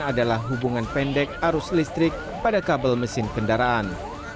adalah hubungan pendek arus listrik pada kabel mesin kendaraan